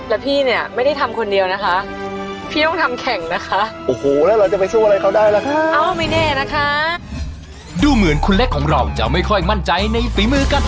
แล้วพี่เนี่ยไม่ได้ทำคนเดียวนะคะพี่ต้องทำแข่งนะคะ